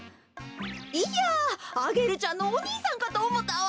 いやアゲルちゃんのおにいさんかとおもったわ。